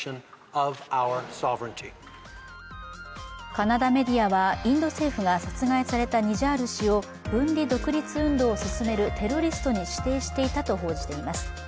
カナダメディアは、インド政府が殺害されたニジャール氏を分離独立運動を進めるテロリストに指定していたと報じています。